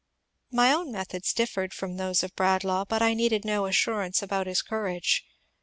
My own methods differed from those of Bradlaugh, but I needed no assurance about his courage.